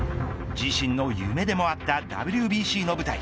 自身の夢でもあったＷＢＣの舞台。